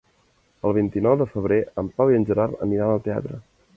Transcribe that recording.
El vint-i-nou de febrer en Pau i en Gerard aniran al teatre.